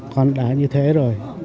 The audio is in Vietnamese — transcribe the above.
còn đã như thế rồi